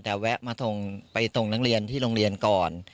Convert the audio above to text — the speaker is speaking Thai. แต่แวะมาส่งไปส่งนักเรียนที่โรงเรียนก่อน